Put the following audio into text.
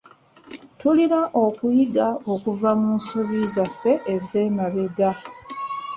Tulina okuyiga okuva mu nsobi zaffe ez'emabega